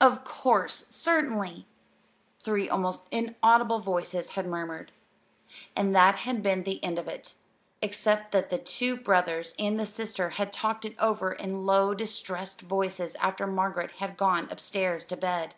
"Of course certainly," three almost inaudible voices had murmured. And that had been the end of it, except that the two brothers and the sister had talked it over in low distressed voices after Margaret had gone up stairs to bed.